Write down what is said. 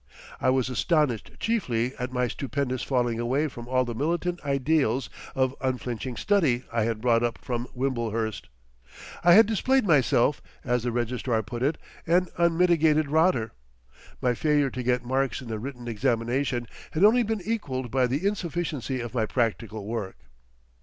I was astonished chiefly at my stupendous falling away from all the militant ideals of unflinching study I had brought up from Wimblehurst. I had displayed myself, as the Registrar put it, "an unmitigated rotter." My failure to get marks in the written examination had only been equalled by the insufficiency of my practical work.